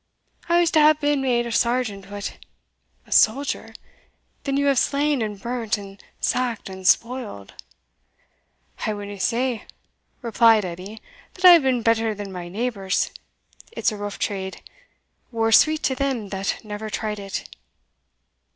I was to have been made a sergeant, but" "A soldier! then you have slain and burnt, and sacked and spoiled?" "I winna say," replied Edie, "that I have been better than my neighbours; it's a rough trade war's sweet to them that never tried it."